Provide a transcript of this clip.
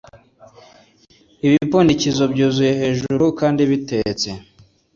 ibipfundikizo byuzuye hejuru kandi bitetse